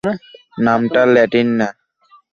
নামটা ল্যাটিন না।